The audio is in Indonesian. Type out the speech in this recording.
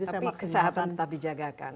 tapi kesehatan tetap dijaga kan